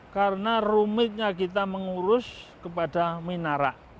karena rumitnya kita mengurus kepada minarak